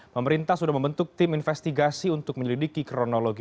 pemerintah sudah membentuk tim investigasi untuk menyelidiki kronologi